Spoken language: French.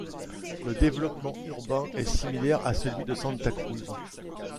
Le développement urbain est similaire à celui de Santa Cruz.